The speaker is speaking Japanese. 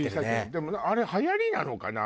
でもあれはやりなのかな？